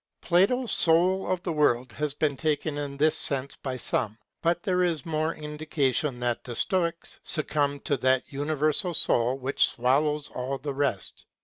Plato's Soul of the World has been taken in this sense by some, but there is more indication that the Stoics succumbed to that universal soul which swallows all the rest.